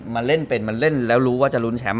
มาเล่นเป็นมาเล่นแล้วรู้ว่าจะรุ้นแชมป